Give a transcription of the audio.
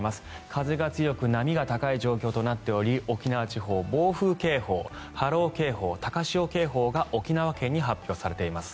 風が強く波が高い状況となっており沖縄地方暴風警報、波浪警報、高潮警報が沖縄県に発表されています。